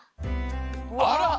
あら！